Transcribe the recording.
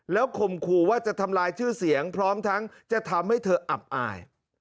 ข่มขู่ว่าจะทำลายชื่อเสียงพร้อมทั้งจะทำให้เธออับอาย